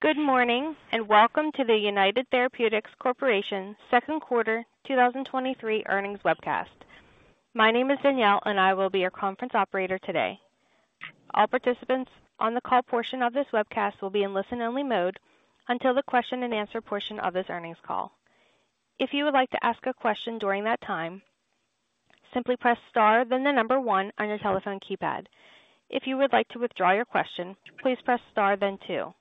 Good morning, and welcome to the United Therapeutics Corporation second quarter 2023 earnings webcast. My name is Danielle, and I will be your conference operator today. All participants on the call portion of this webcast will be in listen-only mode until the question-and-answer portion of this earnings call. If you would like to ask a question during that time, simply press star, then one on your telephone keypad. If you would like to withdraw your question, please press star, then two.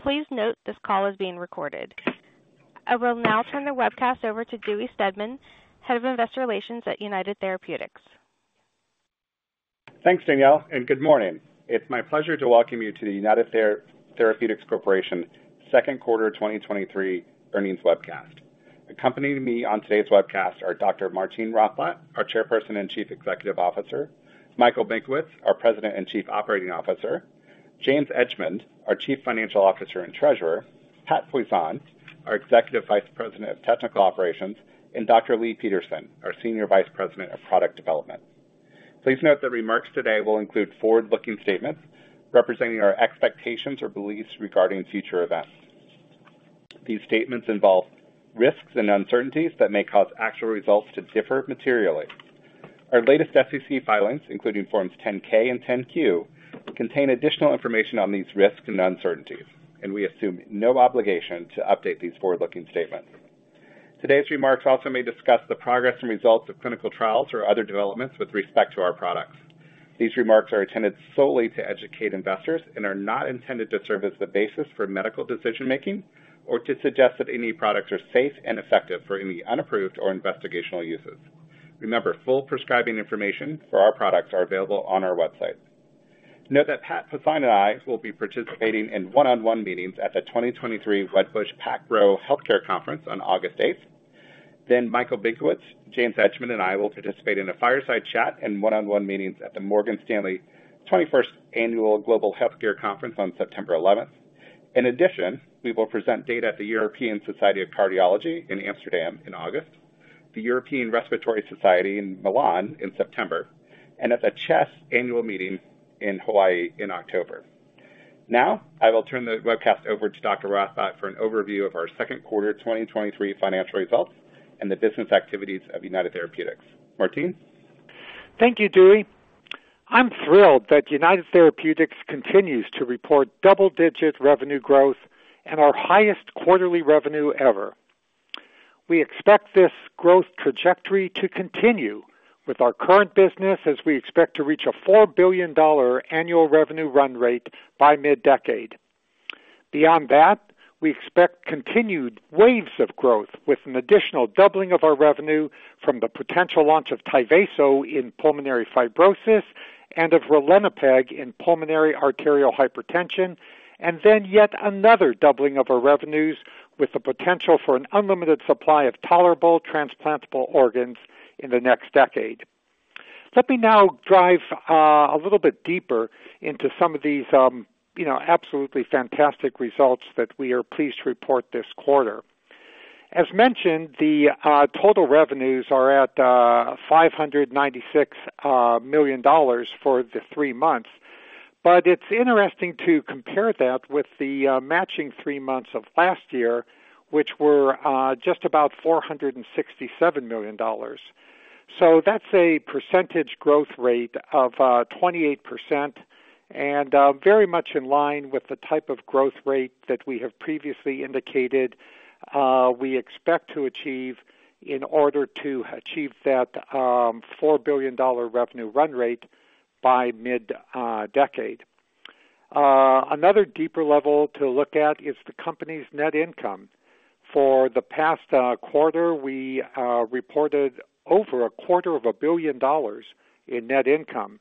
Please note this call is being recorded. I will now turn the webcast over to Dewey Steadman, Head of Investor Relations at United Therapeutics. Thanks, Danielle, and Good morning. It's my pleasure to welcome you to the United Therapeutics Corporation second quarter 2023 earnings webcast. Accompanying me on today's webcast are Dr. Martine Rothblatt, our Chairperson and Chief Executive Officer; Michael Benkowitz, our President and Chief Operating Officer; James Edgemond, our Chief Financial Officer and Treasurer; Pat Poisson, our Executive Vice President of Technical Operations; and Dr. Leigh Peterson, our Senior Vice President of Product Development. Please note that remarks today will include forward-looking statements representing our expectations or beliefs regarding future events. These statements involve risks and uncertainties that may cause actual results to differ materially. Our latest SEC filings, including Forms 10-K and 10-Q, contain additional information on these risks and uncertainties, and we assume no obligation to update these forward-looking statements. Today's remarks also may discuss the progress and results of clinical trials or other developments with respect to our products. These remarks are intended solely to educate investors and are not intended to serve as the basis for medical decision-making or to suggest that any products are safe and effective for any unapproved or investigational uses. Remember, full prescribing information for our products are available on our website. Note that Pat Poisson and I will be participating in one-on-one meetings at the 2023 Wedbush PacGrow Healthcare Conference on August 8th. Michael Benkowitz, James Edgemond, and I will participate in a fireside chat and one-on-one meetings at the Morgan Stanley 21st Annual Global Healthcare Conference on September 11th. In addition, we will present data at the European Society of Cardiology in Amsterdam in August, the European Respiratory Society in Milan in September, and at the CHEST Annual Meeting in Hawaii in October. I will turn the webcast over to Dr. Rothblatt for an overview of our second quarter 2023 financial results and the business activities of United Therapeutics. Martine? Thank you, Dewey. I'm thrilled that United Therapeutics continues to report double-digit revenue growth and our highest quarterly revenue ever. We expect this growth trajectory to continue with our current business as we expect to reach a $4 billion annual revenue run rate by mid-decade. Beyond that, we expect continued waves of growth, with an additional doubling of our revenue from the potential launch of Tyvaso in pulmonary fibrosis and of ralinepag in pulmonary arterial hypertension, then yet another doubling of our revenues, with the potential for an unlimited supply of tolerable transplantable organs in the next decade. Let me now dive a little bit deeper into some of these, you know, absolutely fantastic results that we are pleased to report this quarter. As mentioned, the total revenues are at $596 million for the three months. It's interesting to compare that with the matching three months of last year, which were just about $467 million. That's a percentage growth rate of 28% and very much in line with the type of growth rate that we have previously indicated, we expect to achieve in order to achieve that $4 billion revenue run rate by mid decade. Another deeper level to look at is the company's net income. For the past quarter, we reported over $250 million in net income.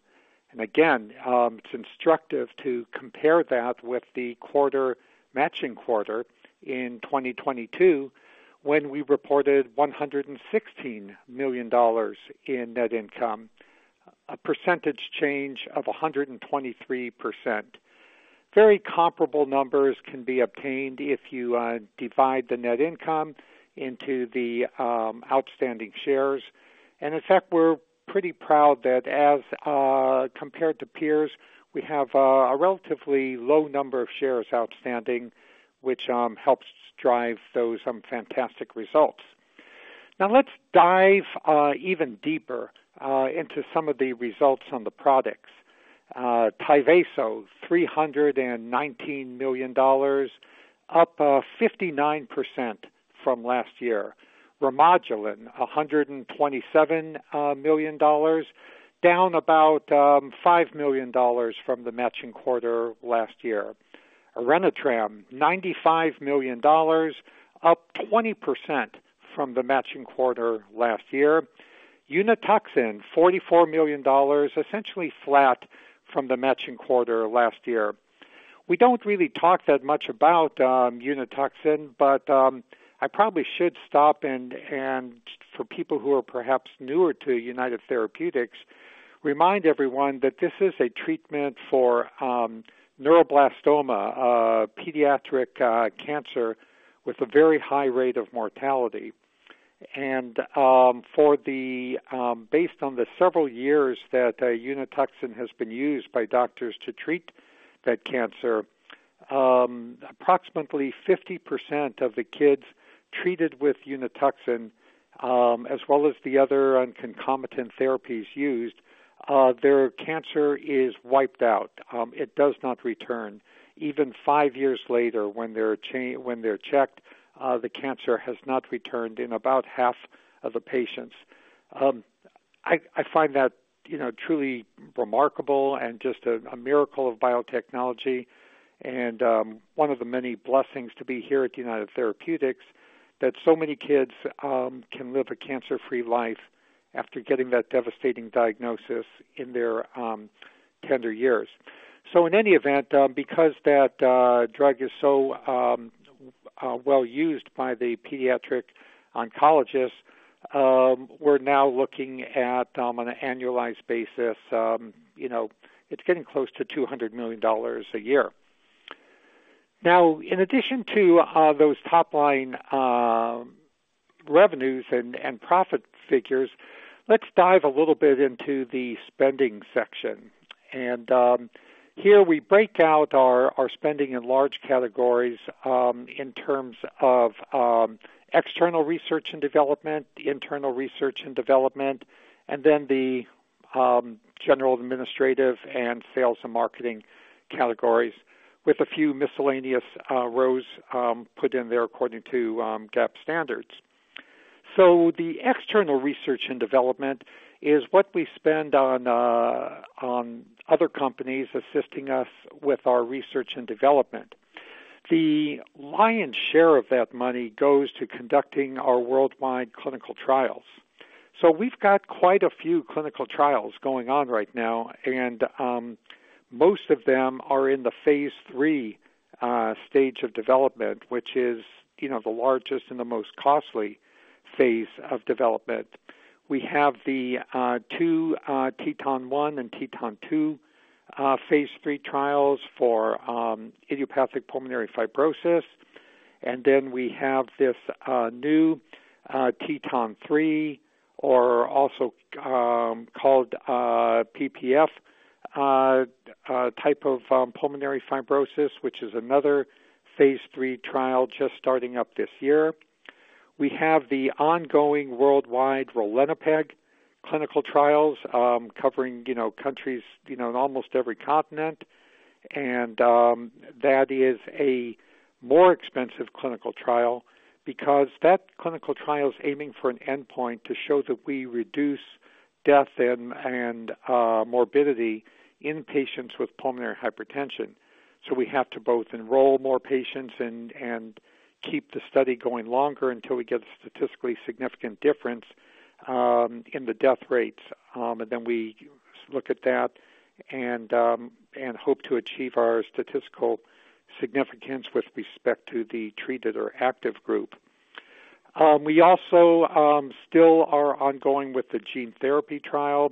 Again, it's instructive to compare that with the quarter, matching quarter in 2022, when we reported $116 million in net income, a percentage change of 123%. Very comparable numbers can be obtained if you divide the net income into the outstanding shares. In fact, we're pretty proud that as compared to peers, we have a relatively low number of shares outstanding, which helps drive those fantastic results. Now, let's dive even deeper into some of the results on the products. Tyvaso, $319 million, up 59% from last year. Remodulin, $127 million, down about $5 million from the matching quarter last year. Orenitram, $95 million, up 20% from the matching quarter last year. Unituxin, $44 million, essentially flat from the matching quarter last year. We don't really talk that much about Unituxin, but I probably should stop and for people who are perhaps newer to United Therapeutics, remind everyone that this is a treatment for neuroblastoma, pediatric cancer with a very high rate of mortality. For the based on the several years that Unituxin has been used by doctors to treat that cancer, approximately 50% of the kids treated with Unituxin, as well as the other concomitant therapies used, their cancer is wiped out. It does not return. Even five years later, when they're checked, the cancer has not returned in about half of the patients. I, I find that, you know, truly remarkable and just a, a miracle of biotechnology, and one of the many blessings to be here at United Therapeutics, that so many kids can live a cancer-free life after getting that devastating diagnosis in their tender years. In any event, because that drug is so well-used by the pediatric oncologists, we're now looking at on an annualized basis, you know, it's getting close to $200 million a year. In addition to those top-line revenues and profit figures, let's dive a little bit into the spending section. Here we break out our, our spending in large categories, in terms of, external research and development, internal research and development, and then the general administrative and sales and marketing categories, with a few miscellaneous rows, put in there according to GAAP standards. The external research and development is what we spend on, on other companies assisting us with our research and development. The lion's share of that money goes to conducting our worldwide clinical trials. We've got quite a few clinical trials going on right now, and most of them are in the phase III stage of development, which is, you know, the largest and the most costly phase of development. We have the 2 TETON 1 and TETON 2 phase III trials for idiopathic pulmonary fibrosis. We have this new TETON 3, or also called PPF type of pulmonary fibrosis, which is another phase III trial just starting up this year. We have the ongoing worldwide ralinepag clinical trials, covering, you know, countries, you know, in almost every continent. That is a more expensive clinical trial because that clinical trial is aiming for an endpoint to show that we reduce death and morbidity in patients with pulmonary hypertension. We have to both enroll more patients and keep the study going longer until we get a statistically significant difference in the death rates. We look at that and hope to achieve our statistical significance with respect to the treated or active group. We also still are ongoing with the gene therapy trial.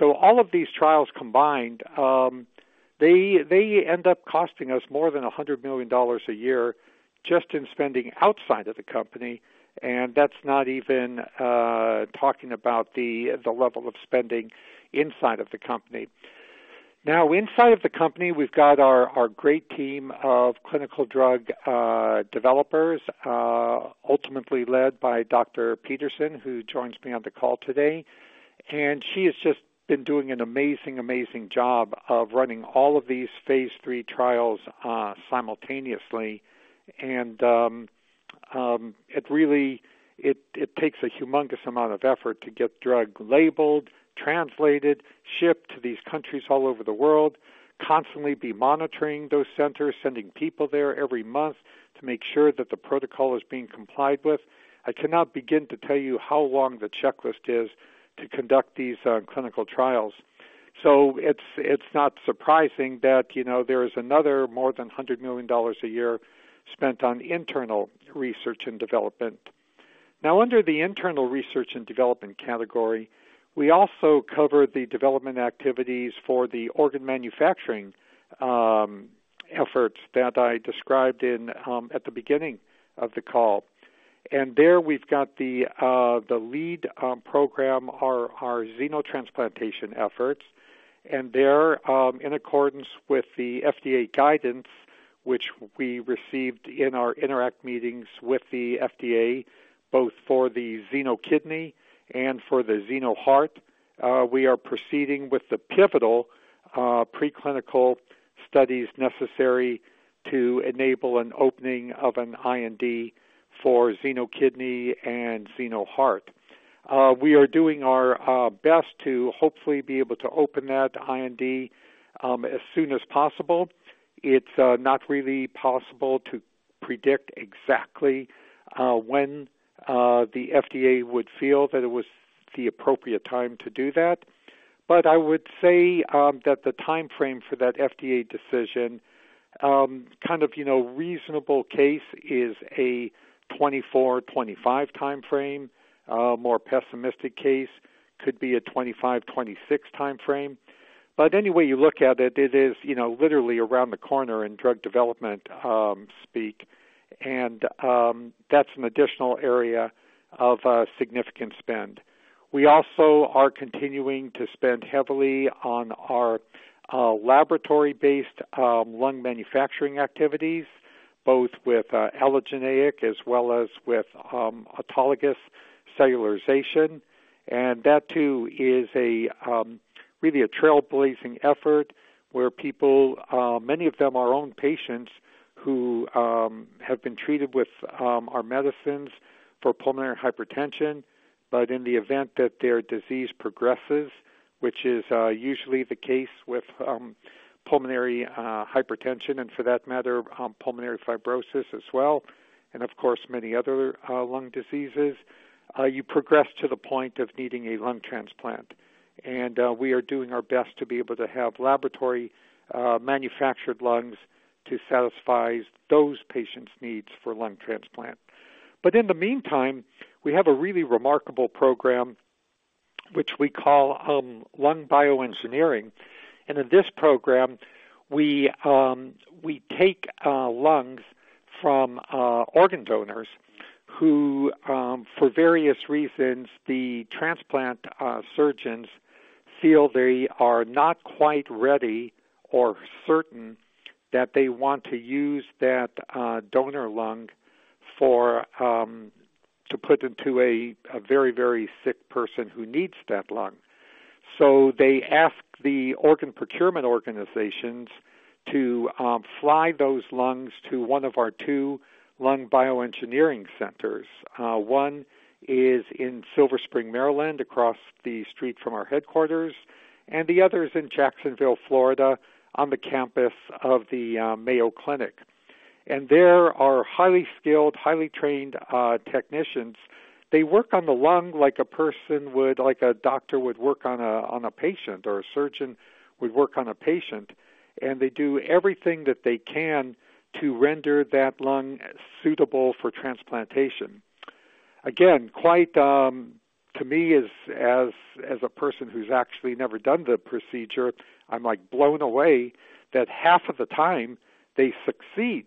All of these trials combined, they, they end up costing us more than $100 million a year just in spending outside of the company, and that's not even talking about the, the level of spending inside of the company. Now, inside of the company, we've got our, our great team of clinical drug developers, ultimately led by Dr. Peterson, who joins me on the call today, and she has just been doing an amazing, amazing job of running all of these phase III trials simultaneously. It really, it, it takes a humongous amount of effort to get drug labeled, translated, shipped to these countries all over the world, constantly be monitoring those centers, sending people there every month to make sure that the protocol is being complied with. I cannot begin to tell you how long the checklist is to conduct these clinical trials. It's, it's not surprising that, you know, there is another more than $100 million a year spent on internal research and development. Under the internal research and development category, we also cover the development activities for the organ manufacturing efforts that I described in at the beginning of the call. There we've got the lead program, our xenotransplantation efforts, and they're in accordance with the FDA guidance, which we received in our INTERACT meetings with the FDA, both for the xeno kidney and for the xeno heart. We are proceeding with the pivotal preclinical studies necessary to enable an opening of an IND for xeno kidney and xeno heart. We are doing our best to hopefully be able to open that IND as soon as possible. It's not really possible to predict exactly when the FDA would feel that it was the appropriate time to do that. I would say that the timeframe for that FDA decision, kind of, you know, reasonable case is a 2024-2025 timeframe. More pessimistic case could be a 2025-2026 timeframe. Any way you look at it, it is, you know, literally around the corner in drug development speak. That's an additional area of significant spend. We also are continuing to spend heavily on our laboratory-based lung manufacturing activities, both with allogeneic as well as with autologous cellularization. That, too, is a really a trailblazing effort where people, many of them, our own patients who have been treated with our medicines for pulmonary hypertension. In the event that their disease progresses, which is usually the case with pulmonary hypertension, and for that matter, pulmonary fibrosis as well, and of course, many other lung diseases, you progress to the point of needing a lung transplant. We are doing our best to be able to have laboratory manufactured lungs to satisfy those patients' needs for lung transplant. In the meantime, we have a really remarkable program, which we call lung bioengineering. In this program, we, we take lungs from Organ Procurement Organizations who, for various reasons, the transplant surgeons feel they are not quite ready or certain that they want to use that donor lung for to put into a very, very sick person who needs that lung. They ask the Organ Procurement Organizations to fly those lungs to one of our two lung bioengineering centers. One is in Silver Spring, Maryland, across the street from our headquarters, and the other is in Jacksonville, Florida, on the campus of the Mayo Clinic. There are highly skilled, highly trained technicians. They work on the lung like a person would, like a doctor would work on a, on a patient, or a surgeon would work on a patient, and they do everything that they can to render that lung suitable for transplantation. Again, quite, to me, as, as, as a person who's actually never done the procedure, I'm, like, blown away that half of the time they succeed.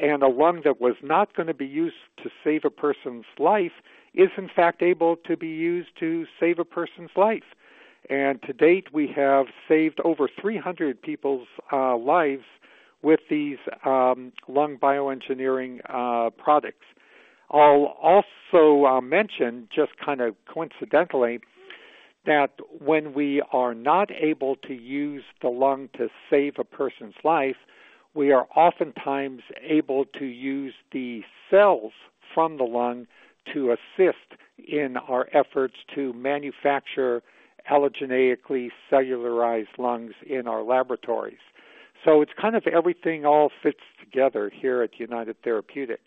A lung that was not going to be used to save a person's life is, in fact, able to be used to save a person's life. To date, we have saved over 300 people's lives with these, lung bioengineering products. I'll also mention, just kind of coincidentally, that when we are not able to use the lung to save a person's life, we are oftentimes able to use the cells from the lung to assist in our efforts to manufacture allogeneically cellularized lungs in our laboratories. It's kind of everything all fits together here at United Therapeutics.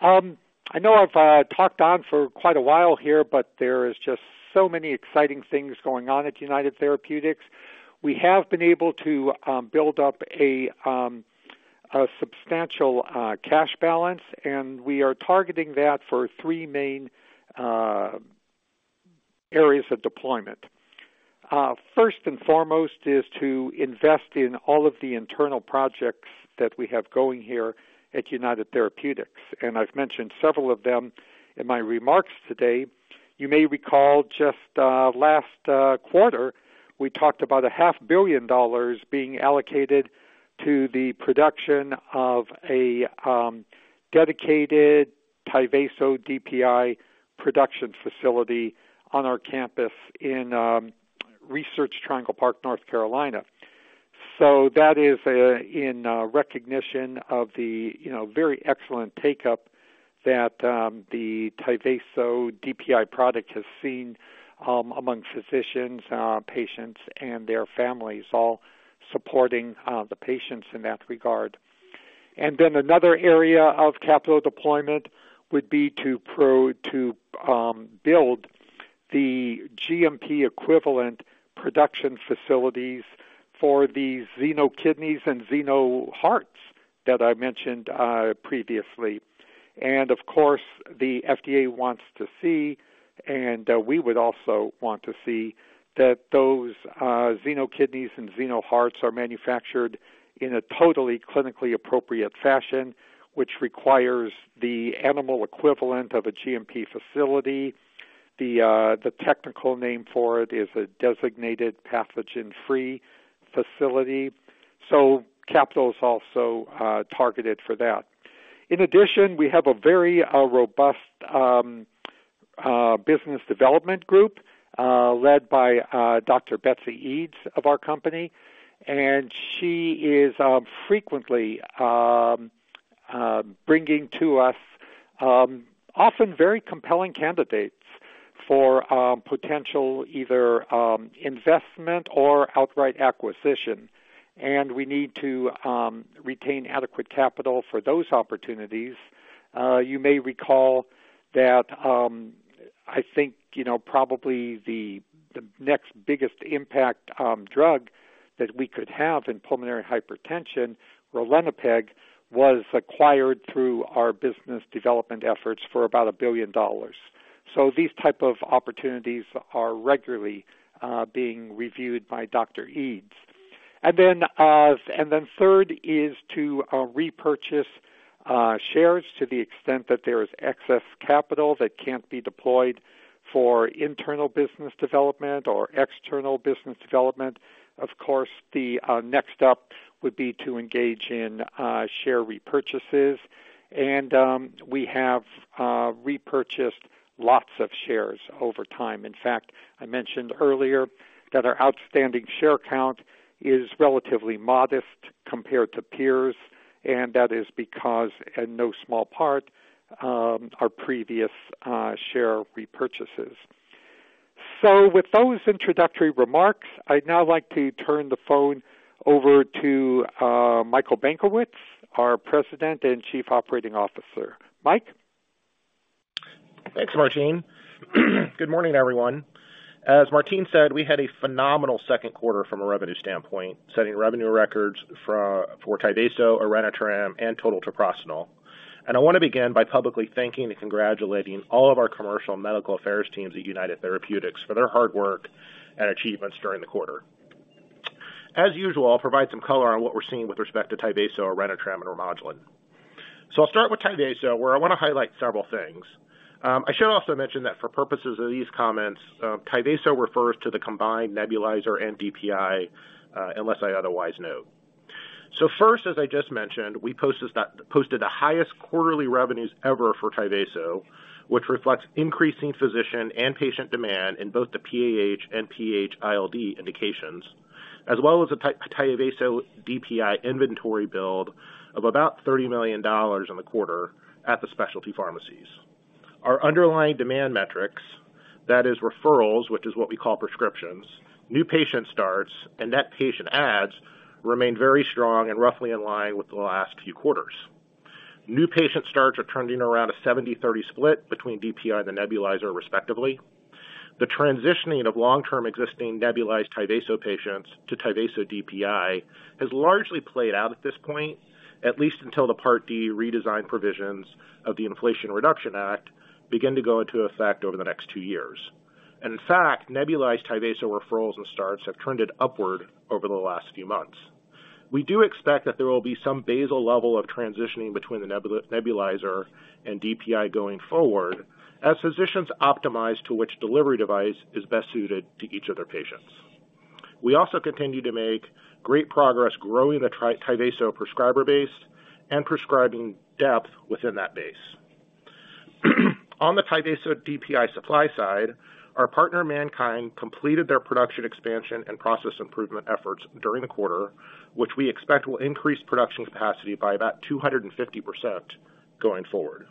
I know I've talked on for quite a while here, but there is just so many exciting things going on at United Therapeutics. We have been able to build up a substantial cash balance, and we are targeting that for three main areas of deployment. First and foremost is to invest in all of the internal projects that we have going here at United Therapeutics, and I've mentioned several of them in my remarks today. You may recall just last quarter, we talked about $500 million being allocated to the production of a dedicated Tyvaso DPI production facility on our campus in Research Triangle Park, North Carolina. That is in recognition of the, you know, very excellent take-up that the Tyvaso DPI product has seen among physicians, patients and their families, all supporting the patients in that regard. Then another area of capital deployment would be to build the GMP equivalent production facilities for the xeno kidneys and xeno hearts that I mentioned previously. Of course, the FDA wants to see, and we would also want to see that those xeno kidneys and xeno hearts are manufactured in a totally clinically appropriate fashion, which requires the animal equivalent of a GMP facility. The, the technical name for it is a designated pathogen-free facility, so capital is also targeted for that. In addition, we have a very robust business development group, led by Dr. Betsy Eads of our company, and she is frequently bringing to us often very compelling candidates for potential either investment or outright acquisition, and we need to retain adequate capital for those opportunities. You may recall that, I think, you know, probably the, the next biggest impact drug that we could have in pulmonary hypertension, ralinepag, was acquired through our business development efforts for $1 billion. These type of opportunities are regularly being reviewed by Dr. Eads. Then, then third is to repurchase shares to the extent that there is excess capital that can't be deployed for internal business development or external business development. Of course, the next up would be to engage in share repurchases, and we have repurchased lots of shares over time. In fact, I mentioned earlier that our outstanding share count is relatively modest compared to peers, and that is because, in no small part, our previous share repurchases. With those introductory remarks, I'd now like to turn the phone over to Michael Benkowitz, our President and Chief Operating Officer. Mike? Thanks, Martine. Good morning, everyone. As Martine said, we had a phenomenal second quarter from a revenue standpoint, setting revenue records for Tyvaso, Orenitram, and total treprostinil. I wanna begin by publicly thanking and congratulating all of our commercial medical affairs teams at United Therapeutics for their hard work and achievements during the quarter. As usual, I'll provide some color on what we're seeing with respect to Tyvaso, Orenitram, and Remodulin. I'll start with Tyvaso, where I wanna highlight several things. I should also mention that for purposes of these comments, Tyvaso refers to the combined nebulizer and DPI, unless I otherwise note. First, as I just mentioned, we posted the highest quarterly revenues ever for Tyvaso, which reflects increasing physician and patient demand in both the PAH and PH-ILD indications, as well as the Tyvaso DPI inventory build of about $30 million in the quarter at the specialty pharmacies. Our underlying demand metrics, that is, referrals, which is what we call prescriptions, new patient starts, and net patient adds, remain very strong and roughly in line with the last few quarters. New patient starts are trending around a 70/30 split between DPI and the nebulizer, respectively. The transitioning of long-term existing nebulized Tyvaso patients to Tyvaso DPI has largely played out at this point, at least until the Part D redesign provisions of the Inflation Reduction Act begin to go into effect over the next two years. In fact, nebulized Tyvaso referrals and starts have trended upward over the last few months. We do expect that there will be some basal level of transitioning between the nebulizer and DPI going forward, as physicians optimize to which delivery device is best suited to each of their patients. We also continue to make great progress growing the Tyvaso prescriber base and prescribing depth within that base. On the Tyvaso DPI supply side, our partner, MannKind, completed their production expansion and process improvement efforts during the quarter, which we expect will increase production capacity by about 250% going forward.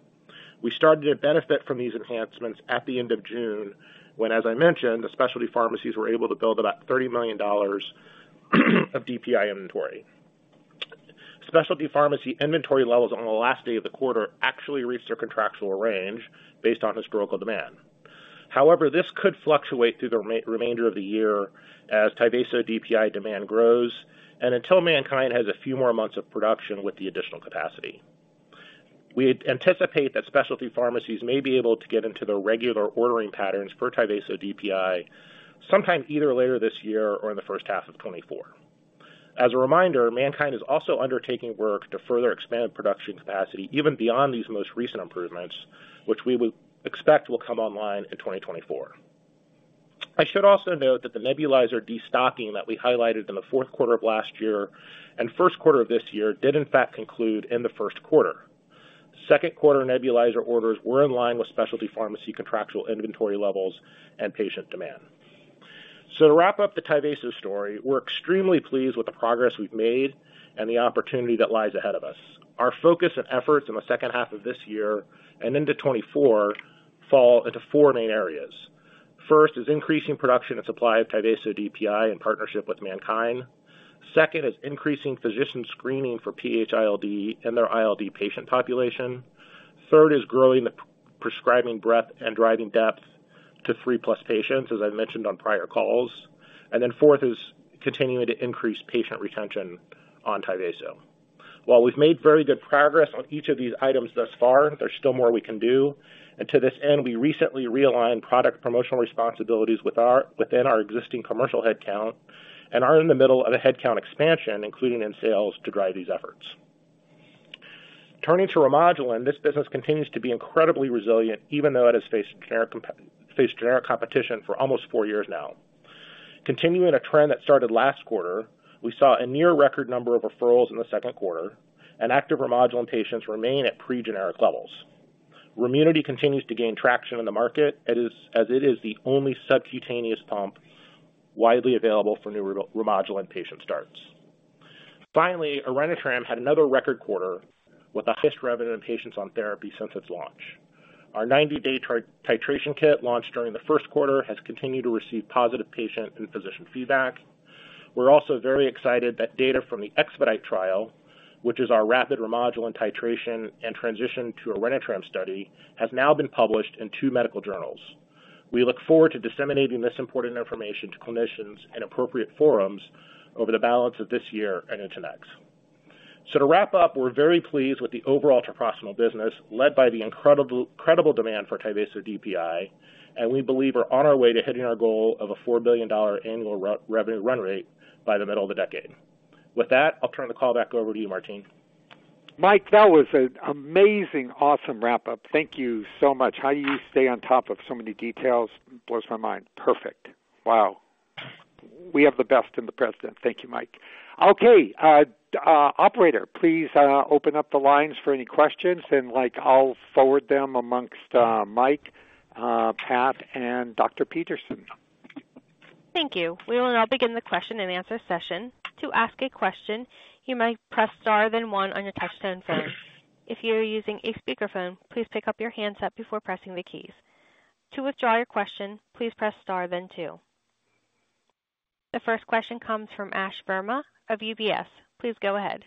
We started to benefit from these enhancements at the end of June, when, as I mentioned, the specialty pharmacies were able to build about $30 million of DPI inventory. Specialty pharmacy inventory levels on the last day of the quarter actually reached their contractual range based on historical demand. However, this could fluctuate through the remainder of the year as Tyvaso DPI demand grows and until MannKind has a few more months of production with the additional capacity. We anticipate that specialty pharmacies may be able to get into their regular ordering patterns for Tyvaso DPI sometime either later this year or in the first half of 2024. As a reminder, MannKind is also undertaking work to further expand production capacity, even beyond these most recent improvements, which we would expect will come online in 2024. I should also note that the nebulizer destocking that we highlighted in the fourth quarter of last year and first quarter of this year, did in fact conclude in the first quarter. Second quarter nebulizer orders were in line with specialty pharmacy contractual inventory levels and patient demand. To wrap up the Tyvaso story, we're extremely pleased with the progress we've made and the opportunity that lies ahead of us. Our focus and efforts in the second half of this year and into 2024 fall into four main areas. First is increasing production and supply of Tyvaso DPI in partnership with MannKind. Second is increasing physician screening for PH ILD and their ILD patient population. Third is growing the prescribing breadth and driving depth to three-plus patients, as I mentioned on prior calls. Fourth is continuing to increase patient retention on Tyvaso. While we've made very good progress on each of these items thus far, there's still more we can do. To this end, we recently realigned product promotional responsibilities within our existing commercial headcount and are in the middle of a headcount expansion, including in sales, to drive these efforts. Turning to Remodulin, this business continues to be incredibly resilient, even though it has faced generic competition for almost four years now. Continuing a trend that started last quarter, we saw a near record number of referrals in the second quarter, and active Remodulin patients remain at pre-generic levels. Remunity continues to gain traction in the market, as it is the only subcutaneous pump widely available for new Remodulin patient starts. Finally, Orenitram had another record quarter with the highest revenue in patients on therapy since its launch. Our 90-day tri-titration kit, launched during the first quarter, has continued to receive positive patient and physician feedback. We're also very excited that data from the EXPEDITE trial, which is our rapid Remodulin titration and transition to Orenitram study, has now been published in two medical journals. We look forward to disseminating this important information to clinicians in appropriate forums over the balance of this year and into next. To wrap up, we're very pleased with the overall treprostinil business, led by the incredible, incredible demand for Tyvaso DPI, and we believe we're on our way to hitting our goal of a $4 billion annual revenue run rate by the middle of the decade. With that, I'll turn the call back over to you, Martine. Mike, that was an amazing, awesome wrap-up. Thank you so much. How you stay on top of so many details blows my mind. Perfect. Wow! We have the best and the president. Thank you, Mike. Okay, operator, please open up the lines for any questions and, like, I'll forward them amongst Mike, Pat, and Dr. Peterson. Thank you. We will now begin the question and answer session. To ask a question, you may press Star, then one on your touchtone phone. If you are using a speakerphone, please pick up your handset before pressing the keys. To withdraw your question, please press Star, then two. The first question comes from Ashwani Verma of UBS. Please go ahead.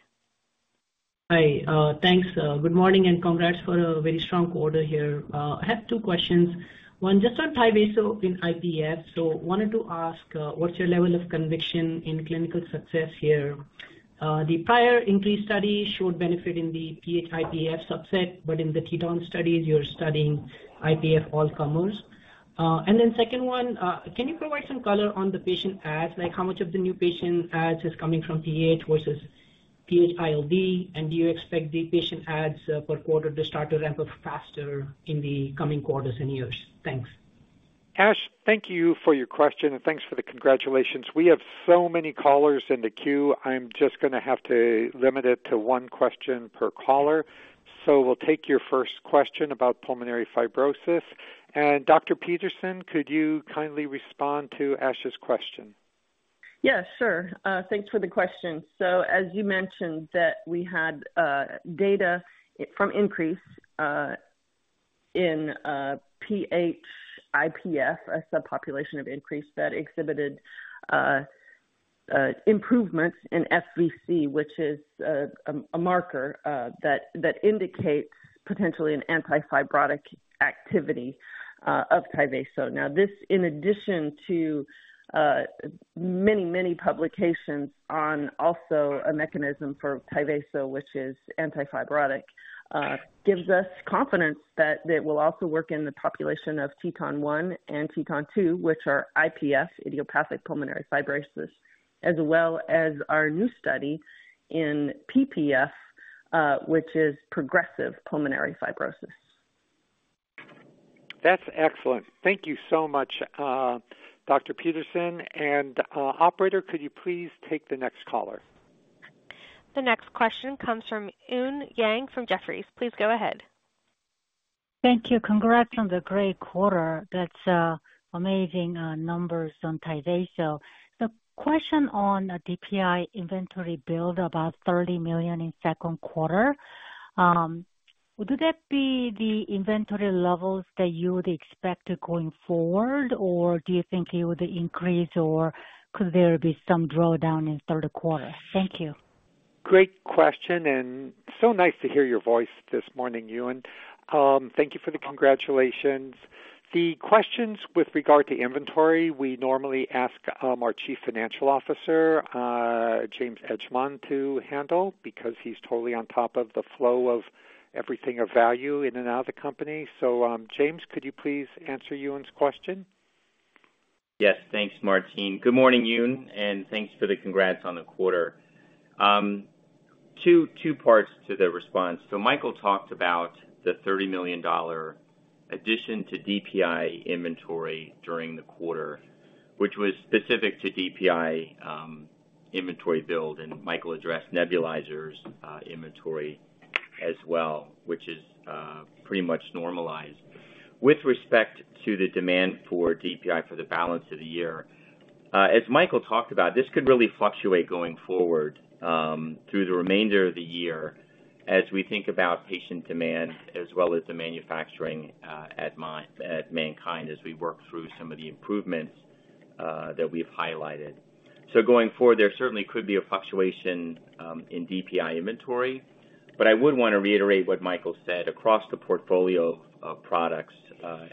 Hi. Thanks. Good morning, and congrats for a very strong quarter here. I have two questions. One, just on Tyvaso in IPF. Wanted to ask, what's your level of conviction in clinical success here? The prior INCREASE study showed benefit in the PH IPF subset, but in the TETON studies, you're studying IPF all comers. Second one, can you provide some color on the patient adds? Like, how much of the new patient adds is coming from PH versus PH-ILD, and do you expect the patient adds per quarter to start to ramp up faster in the coming quarters and years? Thanks. Ash, thank you for your question, and thanks for the congratulations. We have so many callers in the queue. I'm just gonna have to limit it to 1 question per caller. We'll take your first question about pulmonary fibrosis. Dr. Peterson, could you kindly respond to Ash's question? Yes, sure. Thanks for the question. As you mentioned, that we had data from INCREASE in PH IPF, a subpopulation of INCREASE that exhibited improvements in FVC, which is a marker that indicates potentially an anti-fibrotic activity of Tyvaso. This, in addition to many, many publications on also a mechanism for Tyvaso, which is anti-fibrotic, gives us confidence that it will also work in the population of TETON 1 and TETON 2, which are IPF, idiopathic pulmonary fibrosis, as well as our new study in PPF, which is progressive pulmonary fibrosis. That's excellent. Thank you so much, Dr. Peterson. Operator, could you please take the next caller? The next question comes from Eun Yang, from Jefferies. Please go ahead. Thank you. Congrats on the great quarter. That's amazing numbers on Tyvaso. The question on the DPI inventory build about $30 million in second quarter, would that be the inventory levels that you would expect going forward, or do you think it would increase, or could there be some drawdown in third quarter? Thank you. Great question, so nice to hear your voice this morning, Eun. Thank you for the congratulations. The questions with regard to inventory, we normally ask our Chief Financial Officer, James Edgemond, to handle, because he's totally on top of the flow of everything of value in and out of the company. James, could you please answer Eun's question? Yes. Thanks, Martine. Good morning, Eun, and thanks for the congrats on the quarter. Two, two parts to the response. Michael talked about the $30 million addition to DPI inventory during the quarter, which was specific to DPI inventory build, and Michael addressed nebulizers inventory as well, which is pretty much normalized. With respect to the demand for DPI for the balance of the year, as Michael talked about, this could really fluctuate going forward through the remainder of the year as we think about patient demand, as well as the manufacturing at mind, at MannKind, as we work through some of the improvements that we've highlighted. Going forward, there certainly could be a fluctuation in DPI inventory, but I would want to reiterate what Michael said. Across the portfolio of products,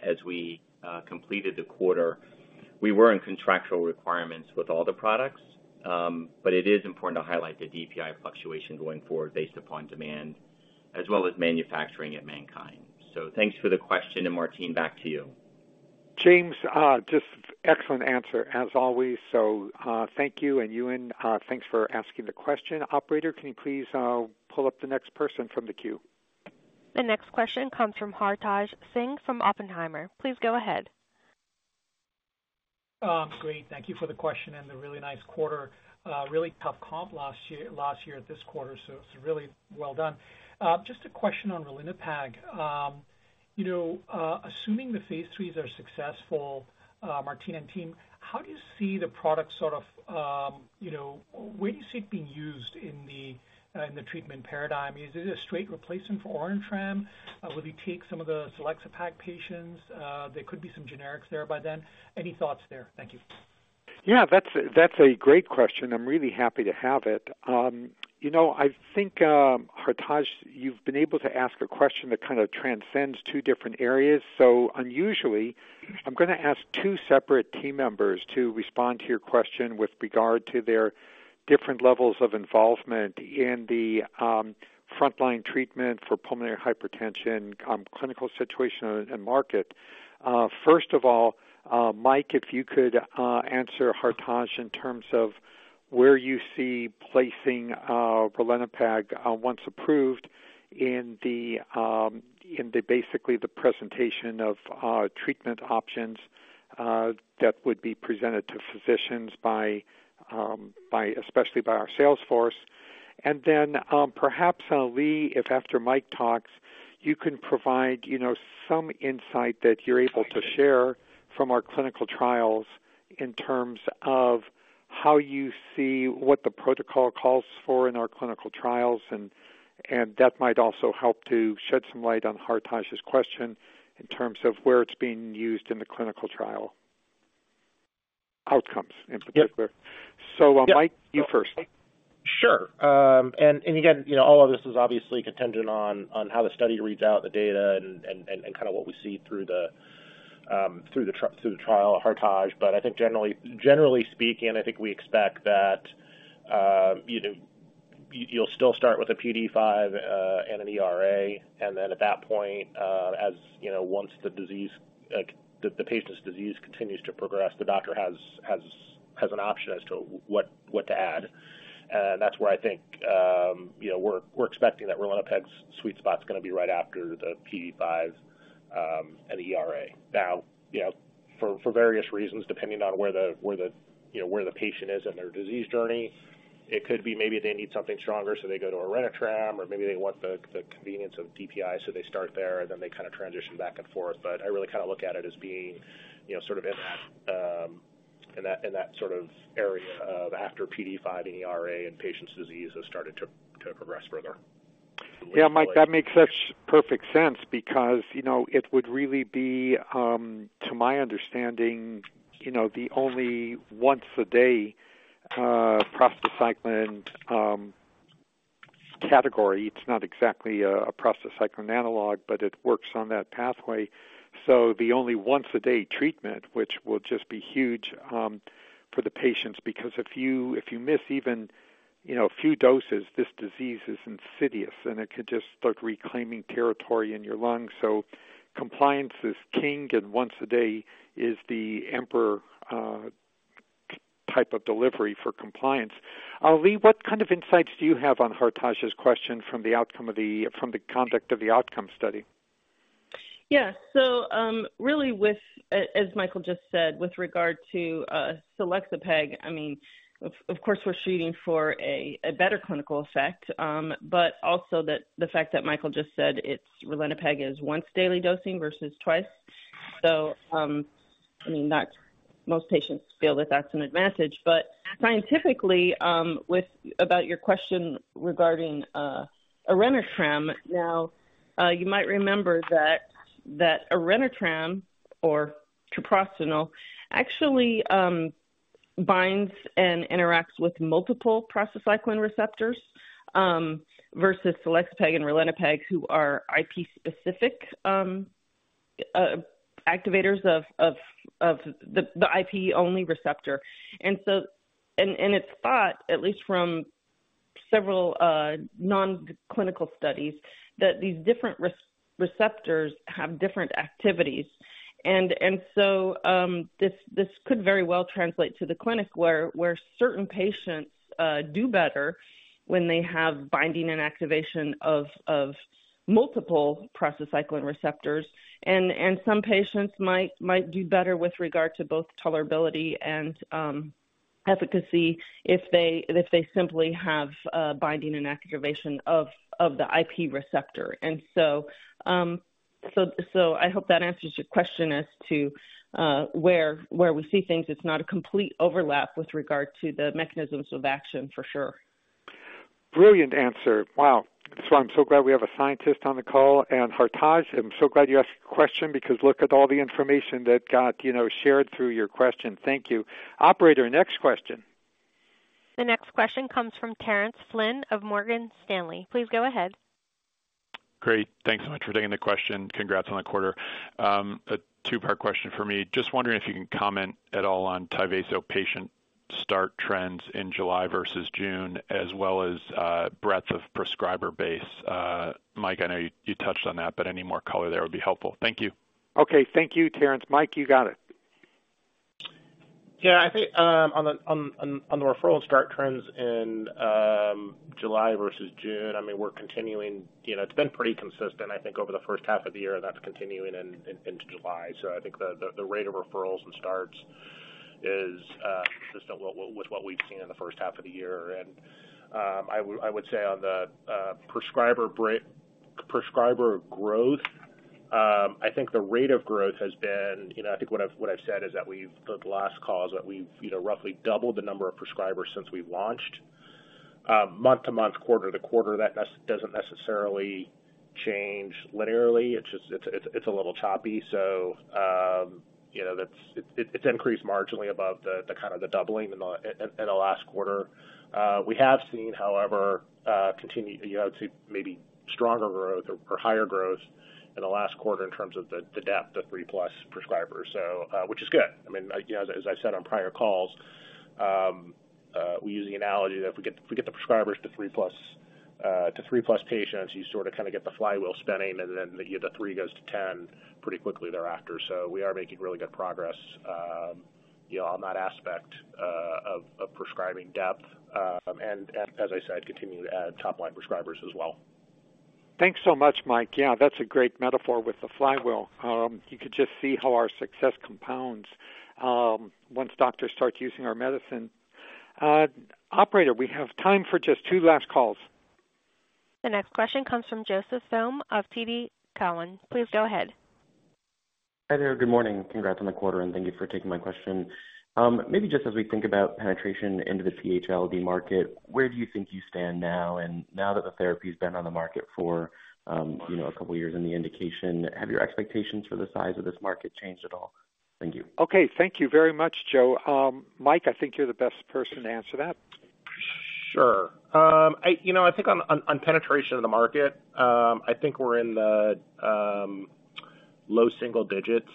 as we completed the quarter, we were in contractual requirements with all the products. It is important to highlight the DPI fluctuation going forward based upon demand as well as manufacturing at MannKind. Thanks for the question, and Martine, back to you. James, just excellent answer as always. Thank you, and Eun, thanks for asking the question. Operator, can you please pull up the next person from the queue? The next question comes from Hartaj Singh, from Oppenheimer. Please go ahead. Great, thank you for the question and the really nice quarter. Really tough comp last year, last year at this quarter, so it's really well done. Just a question on ralinepag. You know, assuming thephase IIIs are successful, Martine and team, how do you see the product sort of, you know, where do you see it being used in the treatment paradigm? Is it a straight replacement for Orenitram? Will it take some of the Selexipag patients? There could be some generics there by then. Any thoughts there? Thank you. Yeah, that's a, that's a great question. I'm really happy to have it. You know, I think, Hartaj, you've been able to ask a question that kind of transcends 2 different areas. Unusually, I'm gonna ask 2 separate team members to respond to your question with regard to their different levels of involvement in the frontline treatment for pulmonary hypertension clinical situation and market. First of all, Mike, if you could answer Hartaj in terms of where you see placing ralinepag once approved in the in the basically the presentation of treatment options that would be presented to physicians by especially by our sales force. Then, perhaps, Lee, if after Mike talks, you can provide, you know, some insight that you're able to share from our clinical trials in terms of how you see what the protocol calls for in our clinical trials, and, and that might also help to shed some light on Hartaj's question in terms of where it's being used in the clinical trial. Outcomes in particular. Yep. Mike, you first. Sure. Again, you know, all of this is obviously contingent on how the study reads out the data and kind of what we see through the trial, Hartaj. I think generally, generally speaking, I think we expect that, you know, you'll still start with a PDE5 and an ERA. Then at that point, as you know, once the disease, the patient's disease continues to progress, the doctor has an option as to what to add. That's where I think, you know, we're expecting that ralinepag's sweet spot is gonna be right after the PDE5 and ERA. Now, you know, for, for various reasons, depending on where the, where the, you know, where the patient is in their disease journey, it could be maybe they need something stronger, so they go to Orenitram, or maybe they want the, the convenience of DPI, so they start there, and then they kind of transition back and forth. I really kind of look at it as being, you know, sort of in that, in that, in that sort of area of after PDE5 and ERA and patient's disease has started to, to progress further. Yeah, Mike, that makes such perfect sense because, you know, it would really be, to my understanding, you know, the only once-a-day prostacyclin category. It's not exactly a prostacyclin analog, but it works on that pathway. The only once-a-day treatment, which will just be huge for the patients, because if you, if you miss even, you know, a few doses, this disease is insidious, and it could just start reclaiming territory in your lungs. Compliance is king, and once-a-day is the emperor type of delivery for compliance. Leigh, what kind of insights do you have on Hartaj's question from the conduct of the outcome study? Yeah. Really with Michael just said, with regard to Selexipag, I mean, of course, we're shooting for a better clinical effect, but also that the fact that Michael just said, it's ralinepag is once daily dosing versus twice. I mean, that's most patients feel that that's an advantage. Scientifically, with about your question regarding Orenitram, now, you might remember that Orenitram or treprostinil, actually, binds and interacts with multiple prostacyclin receptors, versus Selexipag and ralinepag, who are IP specific activators of the IP-only receptor. It's thought, at least from several non-clinical studies, that these different receptors have different activities. This, this could very well translate to the clinic, where, where certain patients do better when they have binding and activation of multiple prostacyclin receptors. Some patients might, might do better with regard to both tolerability and efficacy if they, if they simply have binding and activation of the IP receptor. So I hope that answers your question as to where, where we see things. It's not a complete overlap with regard to the mechanisms of action, for sure. Brilliant answer. Wow! That's why I'm so glad we have a scientist on the call. Hartaj, I'm so glad you asked the question, because look at all the information that got, you know, shared through your question. Thank you. Operator, next question. The next question comes from Terence Flynn of Morgan Stanley. Please go ahead. Great. Thanks so much for taking the question. Congrats on the quarter. A two-part question for me. Just wondering if you can comment at all on Tyvaso patient start trends in July versus June, as well as, breadth of prescriber base. Mike, I know you, you touched on that, but any more color there would be helpful. Thank you. Okay. Thank you, Terence. Mike, you got it. I think on the, on, on, on the referral start trends in July versus June, I mean, we're continuing. You know, it's been pretty consistent, I think, over the first half of the year, and that's continuing in, in, into July. I think the, the, the rate of referrals and starts is consistent with, with what we've seen in the first half of the year. I would, I would say on the prescriber growth, I think the rate of growth has been, you know, I think what I've, what I've said is that the last call is that we've, you know, roughly doubled the number of prescribers since we've launched. Month to month, quarter to quarter, that doesn't necessarily change linearly. It's just, it's, it's, it's a little choppy. You know, that's, it, it's INCREASE marginally above the, the kind of the doubling in the last quarter. We have seen, however, continue, you know, to maybe stronger growth or higher growth in the last quarter in terms of the, the depth of three-plus prescribers. Which is good. I mean, you know, as I said on prior calls, we use the analogy that if we get, if we get the prescribers to three-plus, to three-plus patients, you sort of kind of get the flywheel spinning, and then the other 3 goes to 10 pretty quickly thereafter. We are making really good progress, you know, on that aspect of prescribing depth, and, and as I said, continuing to add top-line prescribers as well. Thanks so much, Mike. Yeah, that's a great metaphor with the flywheel. You could just see how our success compounds, once doctors start using our medicine. Operator, we have time for just 2 last calls. The next question comes from Joseph Thome of TD Cowen. Please go ahead. Hi there. Good morning. Congrats on the quarter, and thank you for taking my question. Maybe just as we think about penetration into the PH-ILD market, where do you think you stand now? Now that the therapy's been on the market for, you know, a couple of years in the indication, have your expectations for the size of this market changed at all? Thank you. Okay, thank you very much, Joe. Mike, I think you're the best person to answer that. Sure. I, you know, I think on, on, on penetration of the market, I think we're in the low single digits.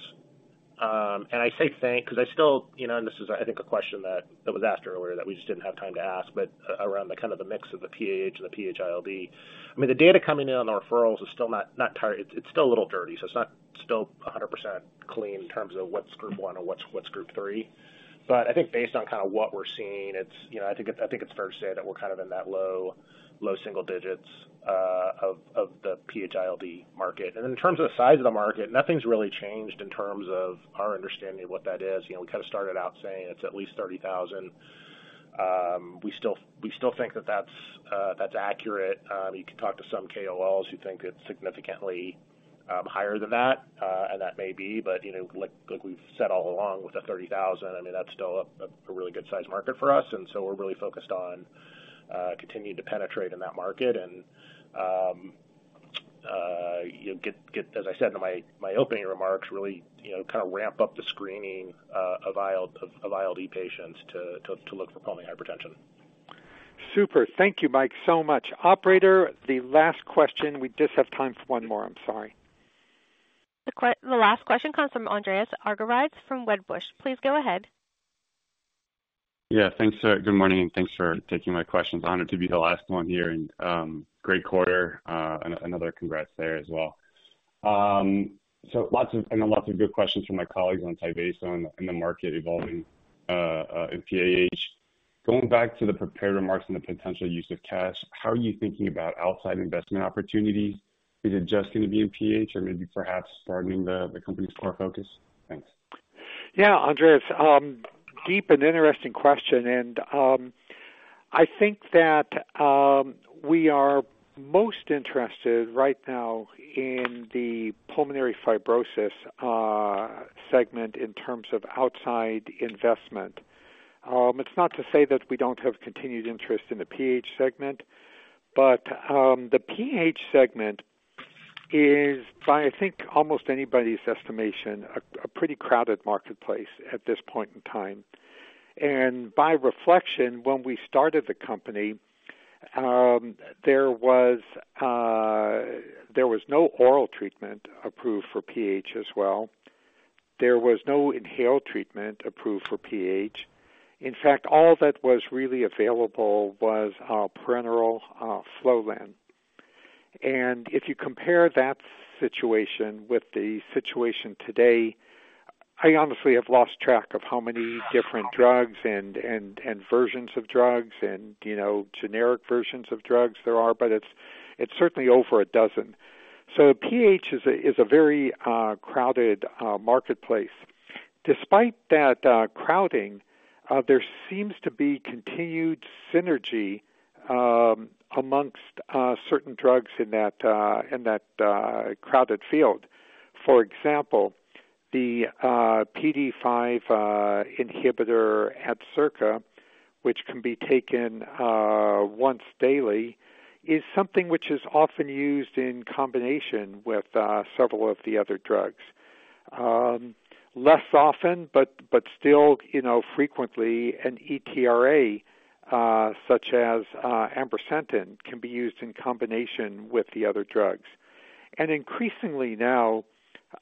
I say think because I still, you know, and this is, I think, a question that, that was asked earlier that we just didn't have time to ask, around the kind of the mix of the PAH and the PH-ILD. I mean, the data coming in on the referrals is still not, not target. It's still a little dirty, so it's not still 100% clean in terms of what's Group 1 or what's, what's Group 3. I think based on kind of what we're seeing, it's, you know, I think it, I think it's fair to say that we're kind of in that low, low single digits of the PH-ILD market. In terms of the size of the market, nothing's really changed in terms of our understanding of what that is. You know, we kind of started out saying it's at least 30,000. We still, we still think that that's accurate. You can talk to some KOLs who think it's significantly higher than that, and that may be, but, you know, like, like we've said all along, with the 30,000, I mean, that's still a really good size market for us, and so we're really focused on continuing to penetrate in that market. You get, as I said in my opening remarks, really, you know, kind of ramp up the screening of IL, of ILD patients to look for pulmonary hypertension. Super. Thank you, Mike, so much. Operator, the last question. We just have time for one more. I'm sorry. The the last question comes from Andreas Argyrides from Wedbush. Please go ahead. Yeah, thanks, sir. Good morning. Thanks for taking my questions. Honored to be the last one here. Great quarter, another congrats there as well. Lots of, I know lots of good questions from my colleagues on Tyvaso and the market evolving in PAH. Going back to the prepared remarks and the potential use of cash, how are you thinking about outside investment opportunities? Is it just going to be in PH, or maybe perhaps broadening the company's core focus? Thanks. Yeah, Andreas, deep and interesting question, and I think that we are most interested right now in the pulmonary fibrosis segment in terms of outside investment. It's not to say that we don't have continued interest in the PH segment, but the PH segment is, by I think almost anybody's estimation, a pretty crowded marketplace at this point in time. By reflection, when we started the company, there was no oral treatment approved for PH as well. There was no inhaled treatment approved for PH. In fact, all that was really available was parenteral Flolan. If you compare that situation with the situation today, I honestly have lost track of how many different drugs and, and, and versions of drugs and, you know, generic versions of drugs there are, but it's, it's certainly over a dozen. PH is a very crowded marketplace. Despite that crowding, there seems to be continued synergy amongst certain drugs in that in that crowded field. For example, the PDE5 inhibitor, Adcirca, which can be taken once daily, is something which is often used in combination with several of the other drugs. Less often, but still, you know, frequently an ERA, such as ambrisentan, can be used in combination with the other drugs. Increasingly now,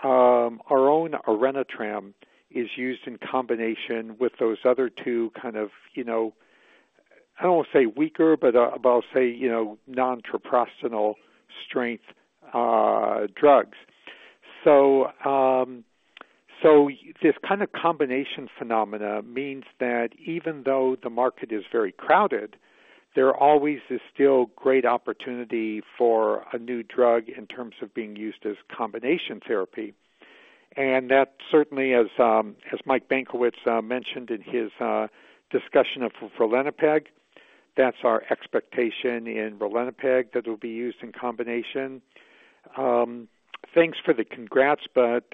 our own Orenitram is used in combination with those other two kind of, you know, I don't want to say weaker, but, I'll say, you know, non-treprostinil strength drugs. This kind of combination phenomena means that even though the market is very crowded, there always is still great opportunity for a new drug in terms of being used as combination therapy. That certainly, as Michael Benkowitz mentioned in his discussion of ralinepag, that's our expectation in ralinepag, that it'll be used in combination. Thanks for the congrats, but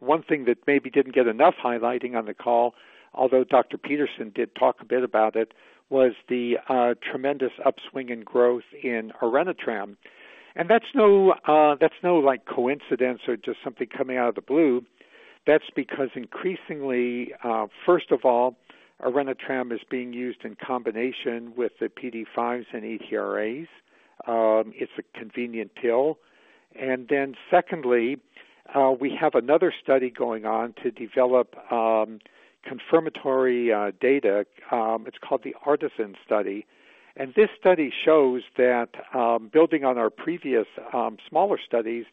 one thing that maybe didn't get enough highlighting on the call, although Dr. Peterson did talk a bit about it, was the tremendous upswing in growth in Orenitram. That's no, that's no like coincidence or just something coming out of the blue. That's because increasingly, first of all, Orenitram is being used in combination with the PDE5 and ERAs. It's a convenient pill. Then secondly, we have another study going on to develop confirmatory data. It's called the ARTISAN study, and this study shows that, building on our previous, smaller studies,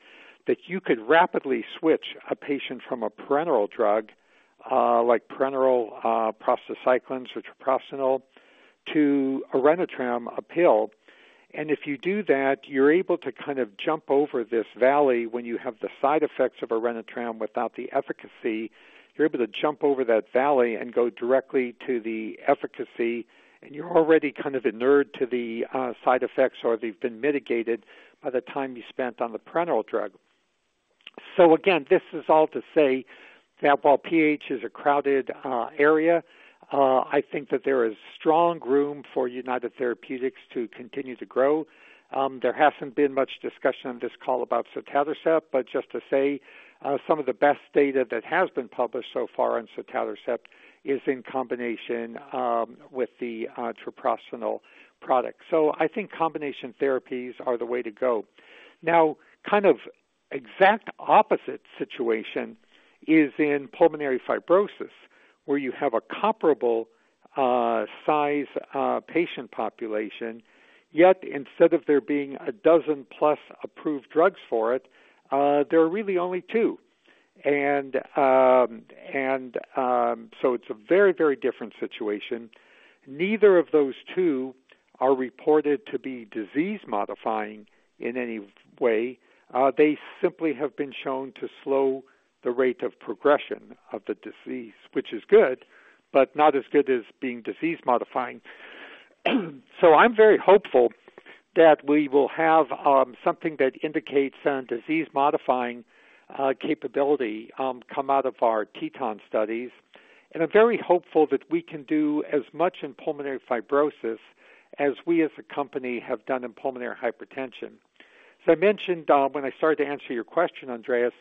that you could rapidly switch a patient from a parenteral drug, like parenteral prostacyclins, which are personal to Orenitram, a pill. If you do that, you're able to kind of jump over this valley when you have the side effects of Orenitram without the efficacy. You're able to jump over that valley and go directly to the efficacy, and you're already kind of inured to the side effects, or they've been mitigated by the time you spent on the parenteral drug. Again, this is all to say that while PH is a crowded area, I think that there is strong room for United Therapeutics to continue to grow. There hasn't been much discussion on this call about Sotatercept, but just to say, some of the best data that has been published so far on Sotatercept is in combination with the treprostinil product. I think combination therapies are the way to go. Now, kind of exact opposite situation is in pulmonary fibrosis, where you have a comparable size patient population, yet instead of there being a dozen plus approved drugs for it, there are really only 2. It's a very, very different situation. Neither of those 2 are reported to be disease-modifying in any way. They simply have been shown to slow the rate of progression of the disease, which is good, but not as good as being disease-modifying. I'm very hopeful that we will have something that indicates a disease-modifying capability come out of our TETON studies. I'm very hopeful that we can do as much in pulmonary fibrosis as we, as a company, have done in pulmonary hypertension. I mentioned, when I started to answer your question, Andreas,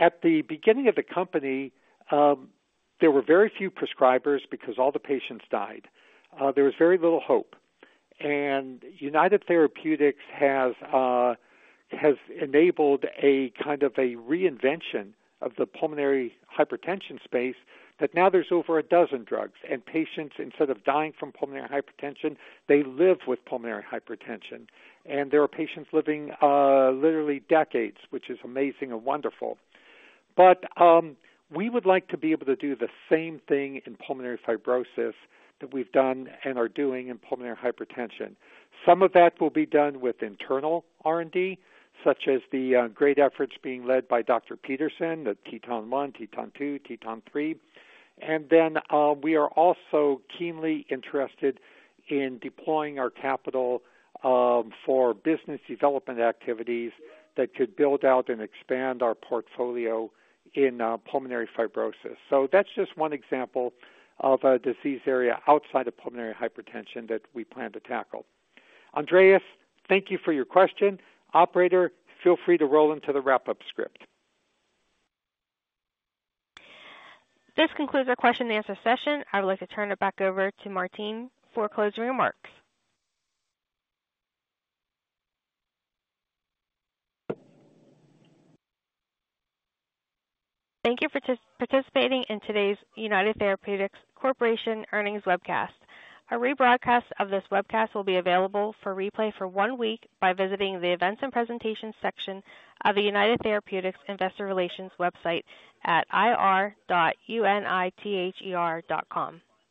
at the beginning of the company, there were very few prescribers because all the patients died. There was very little hope. United Therapeutics has enabled a kind of a reinvention of the pulmonary hypertension space, that now there's over a dozen drugs and patients, instead of dying from pulmonary hypertension, they live with pulmonary hypertension. There are patients living, literally decades, which is amazing and wonderful. We would like to be able to do the same thing in pulmonary fibrosis that we've done and are doing in pulmonary hypertension. Some of that will be done with internal R&D, such as the great efforts being led by Dr. Peterson, the TETON 1, TETON 2, TETON 3. We are also keenly interested in deploying our capital for business development activities that could build out and expand our portfolio in pulmonary fibrosis. That's just one example of a disease area outside of pulmonary hypertension that we plan to tackle. Andreas, thank you for your question. Operator, feel free to roll into the wrap-up script. This concludes our question and answer session. I would like to turn it back over to Martine for closing remarks. Thank you for participating in today's United Therapeutics Corporation Earnings Webcast. A rebroadcast of this webcast will be available for replay for one week by visiting the Events and Presentations section of the United Therapeutics Investor Relations website at ir.unither.com.